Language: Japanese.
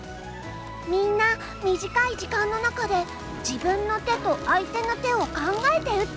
みんな短い時間の中で自分の手と相手の手を考えて打っているのね。